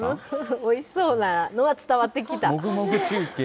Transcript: おいしそうなのは伝わってきた。